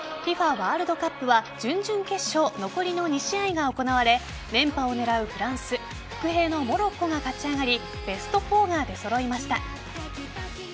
ワールドカップは準々決勝、残りの２試合が行われ連覇を狙うフランス伏兵のモロッコが勝ち上がりベスト４が出揃いました。